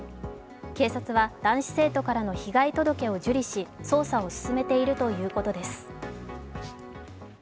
警察は男子生徒からの被害届を受理し、捜査を進めているということです。